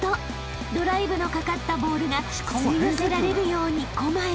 ［ドライブのかかったボールが吸い寄せられるように駒へ］